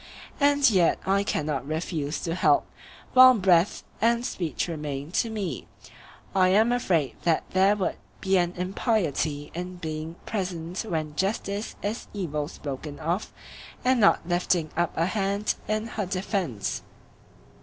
And yet I cannot refuse to help, while breath and speech remain to me; I am afraid that there would be an impiety in being present when justice is evil spoken of and not lifting up a hand in her defence.